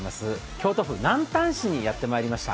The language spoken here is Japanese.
京都府南丹市にやってまいりました。